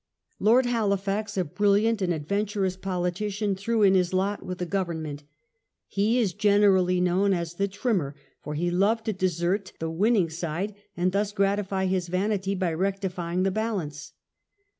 Lord Halifax, a brilliant and adventurous politician, threw in his lot with the government. He is generally known as the " Trimmer ", for he loved to desert the winning side and thus gratify his vanity by rectifying the balance.